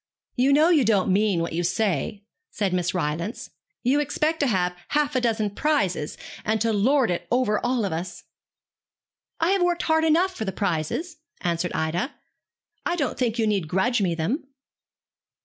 'You know you don't mean what you say,' said Miss Rylance. 'You expect to have half a dozen prizes, and to lord it over all of us.' 'I have worked hard enough for the prizes,' answered Ida. 'I don't think you need grudge me them.'